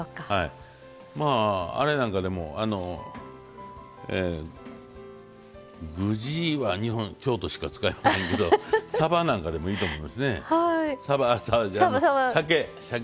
まああれなんかでもぐじは京都しか使いませんけどさけなんかでもいいと思いますね。